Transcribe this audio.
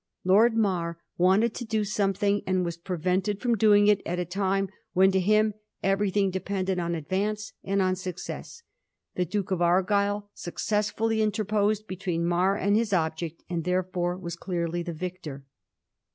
Lord Mar wanted to do something, and was prevented from doing it at a time when to him everything depended on advance and on success. The Duke of Argyll successfully interposed between Mar and his object, and therefore was clearly the victor.